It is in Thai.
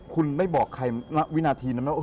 คุณไม่บอกใครณวินาทีนั้นไหม